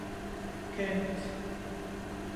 Kents.